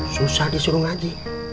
susah disuruh ngaji